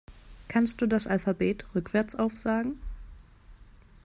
Kannst du das Alphabet rückwärts aufsagen?